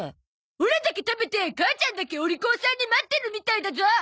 オラだけ食べて母ちゃんだけお利口さんに待ってるみたいだゾ。